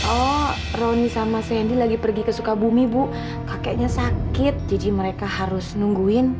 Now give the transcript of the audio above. oh roni sama sendi lagi pergi ke sukabumi bu kakeknya sakit jadi mereka harus nungguin